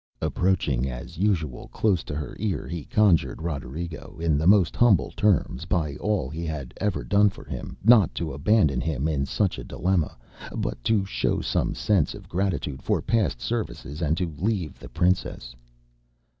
Approaching as usual close to her ear, he conjured Roderigo in the most humble terms, by all he had ever done for him, not to abandon him in such a dilemma, but to show some sense of gratitude for past services and to leave the princess.